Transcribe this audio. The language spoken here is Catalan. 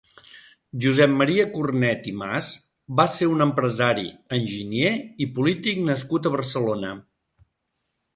Josep Maria Cornet i Mas va ser un empresari, enginyer i polític nascut a Barcelona.